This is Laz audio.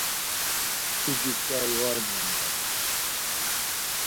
Ucik ǩai var mignams.